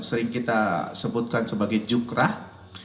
sering kita sebutkan sebagai jukrah